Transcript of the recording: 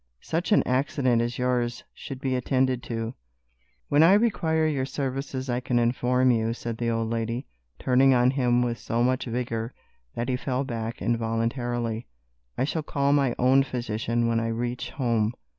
"Such an accident as yours should be attended to." "When I require your services I can inform you," said the old lady, turning on him with so much vigor that he fell back involuntarily. "I shall call my own physician when I reach home.